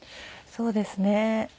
そうですね。